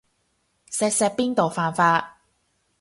錫錫邊度犯法